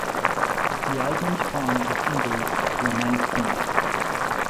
The album spawned the single "When I See You".